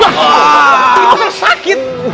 ini maksudnya sakit